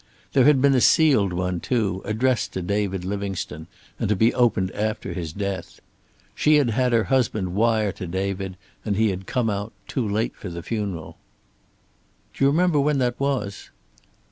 There had been a sealed one, too, addressed to David Livingstone, and to be opened after his death. She had had her husband wire to "David" and he had come out, too late for the funeral. "Do you remember when that was?"